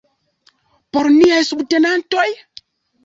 Por niaj subtenantoj?